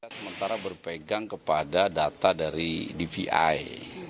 sementara berpegang kepada data dari dvi